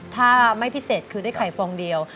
ถ้าไม่พิเศษคือได้ไข่ฟองเดียว